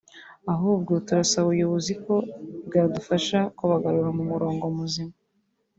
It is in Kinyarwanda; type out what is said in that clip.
ahubwo turasaba ubuyobozi ko bwadufasha kubagarura mu murongo muzima